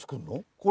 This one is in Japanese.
これ。